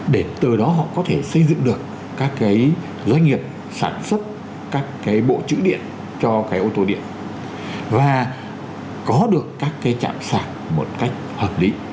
để từ đó họ có thể xây dựng được các cái doanh nghiệp sản xuất các cái bộ chữ điện cho cái ô tô điện và có được các cái chạm sạc một cách hợp lý